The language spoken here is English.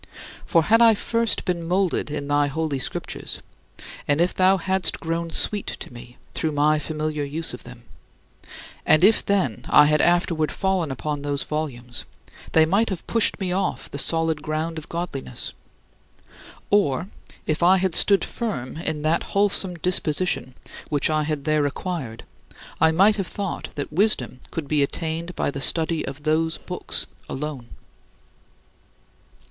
For had I first been molded in thy Holy Scriptures, and if thou hadst grown sweet to me through my familiar use of them, and if then I had afterward fallen on those volumes, they might have pushed me off the solid ground of godliness or if I had stood firm in that wholesome disposition which I had there acquired, I might have thought that wisdom could be attained by the study of those [Platonist] books alone.